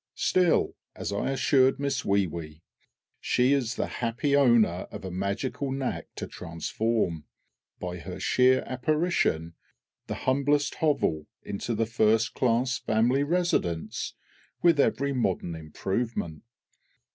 Still, as I assured Miss WEE WEE, she is the happy owner of a magical knack to transform, by her sheer apparition, the humblest hovel into the first class family residence with every modern improvement.